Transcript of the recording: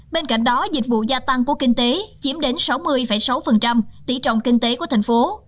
bên cạnh đó dịch vụ gia tăng của kinh tế chiếm đến sáu mươi sáu tỷ trọng kinh tế của thành phố